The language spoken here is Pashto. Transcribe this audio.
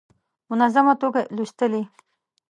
منظمه توګه لوستلې.